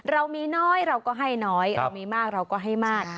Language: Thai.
เรามีน้อยเราก็ให้น้อยเรามีมากเราก็ให้มาก